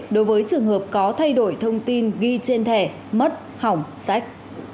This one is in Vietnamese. đối với trường hợp có thay đổi thông tin ghi trên thẻ mất hỏng sách